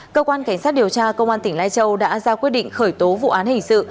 cơ quan cảnh sát điều tra công an tỉnh lai châu đã ra quyết định khởi tố vụ án hình sự